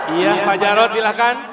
iya pak jarod silakan